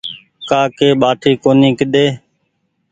ڪآڪي ٻآٽي ڪونيٚ ڪيڌي